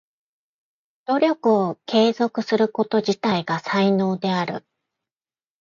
努力を継続すること自体が才能である。